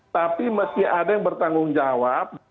tapi meski ada yang bertanggung jawab